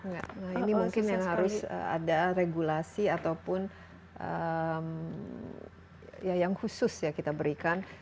nah ini mungkin yang harus ada regulasi ataupun ya yang khusus ya kita berikan